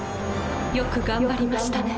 よく頑張りましたね